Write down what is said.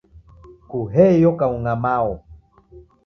Kuhee iyo kaung'a Mao!